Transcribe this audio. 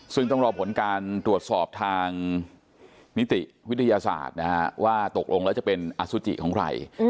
ซึ่งต้องรอผลการตรวจสอบทางนิติวิทยาศาสตร์นะฮะว่าตกลงแล้วจะเป็นอสุจิของใคร